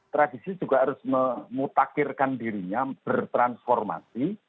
tradisi juga harus memutakhirkan dirinya bertransformasi